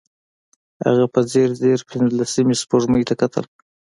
هغه په ځير ځير پينځلسمې سپوږمۍ ته کتل.